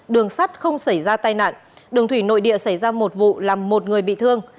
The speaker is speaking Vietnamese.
đường sắt không xảy ra tai nạn đường thủy nội địa xảy ra một vụ làm một người bị thương